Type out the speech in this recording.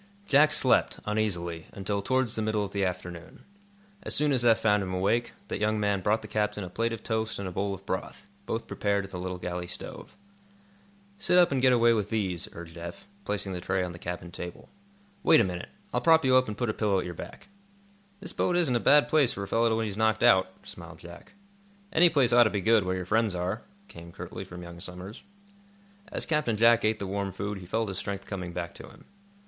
Jack slept, uneasily, until towards the middle of the afternoon. As soon as Eph found him awake, that young man brought the captain a plate of toast and a bowl of broth, both prepared at the little galley stove. "Sit up and get away with these," urged Eph, placing the tray on the cabin table. "Wait a minute. I'll prop you up and put a pillow at your back." "This boat isn't a bad place for a fellow when he's knocked out," smiled Jack. "Any place ought to be good, where your friends are," came, curtly, from young Somers. As Captain Jack ate the warm food he felt his strength coming back to him.